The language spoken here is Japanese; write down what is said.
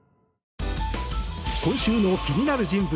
今週の気になる人物